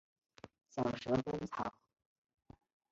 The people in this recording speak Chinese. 小蛇根草